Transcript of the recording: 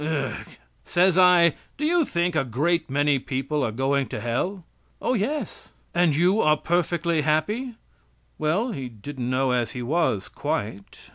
Ugh! Says I: "Do you think a great many people are going to hell?" "Oh, yes." "And you are perfectly happy?" "Well, he didn't know as he was quite."